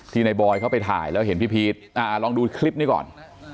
ในบอยเขาไปถ่ายแล้วเห็นพี่พีชลองดูคลิปนี้ก่อน